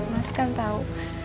mas kan tau